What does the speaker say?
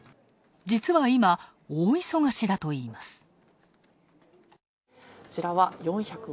実は今、大忙しだといいます。